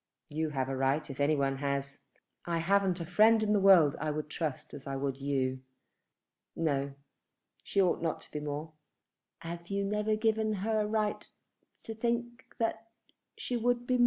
"You have a right if any one has. I haven't a friend in the world I would trust as I would you. No; she ought not to be more." "Have you never given her a right to think that she would be more?"